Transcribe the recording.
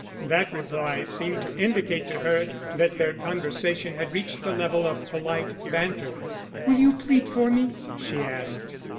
That reply seemed to indicate to her that their conversation had reached the level of polite banter. "Will you plead for me?" she asked.